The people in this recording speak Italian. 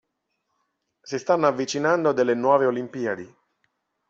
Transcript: Si stanno avvicinando delle nuove Olimpiadi.